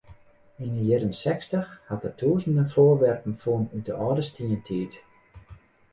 Yn de jierren sechstich hat er tûzenen foarwerpen fûn út de âlde stientiid.